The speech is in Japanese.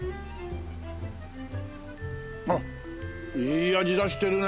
あっいい味出してるね！